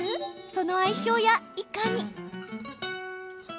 その相性や、いかに！